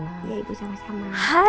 ya ibu sama sama